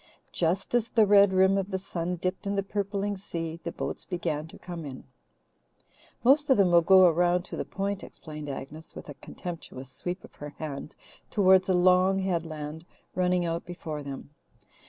Just as the red rim of the sun dipped in the purpling sea, the boats began to come in. "Most of them will go around to the Point," explained Agnes, with a contemptuous sweep of her hand towards a long headland running out before them.